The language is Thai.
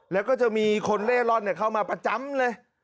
แล้วก็จะมีคนเล่ร่อนเข้ามาประจำเลย